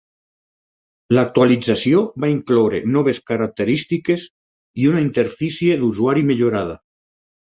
L'actualització va incloure noves característiques i una interfície d'usuari millorada.